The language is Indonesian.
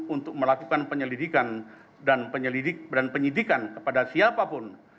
untuk melakukan penyelidikan dan penyidikan kepada siapapun